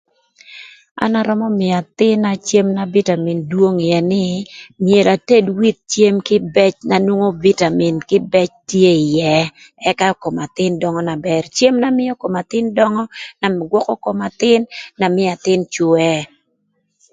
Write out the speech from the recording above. An arömö mïö athïn-na cem na bitamin dwong ïë nï myero ated with cem kïbëc na nwongo bitamin kïbëc tye ïë ëk ka kom athïn döngö na bër. Cem na mïö kom athïn döngö na gwökö kom athïn na mïö athïn cwëë